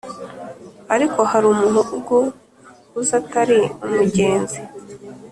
ariko harumuhugu uza atari umugenzi